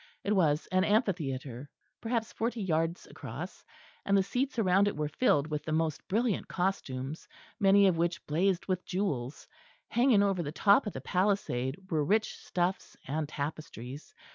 It was an amphitheatre, perhaps forty yards across; and the seats round it were filled with the most brilliant costumes, many of which blazed with jewels. Hanging over the top of the palisade were rich stuffs and tapestries.